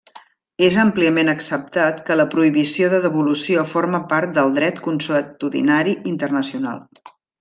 És àmpliament acceptat que la prohibició de devolució forma part del dret consuetudinari internacional.